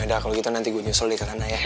yaudah kalo gitu nanti gua nyusul di katana ya